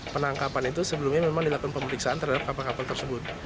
penangkapan itu sebelumnya memang dilakukan pemeriksaan terhadap kapal kapal tersebut